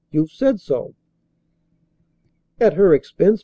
You've said so." "At her expense!"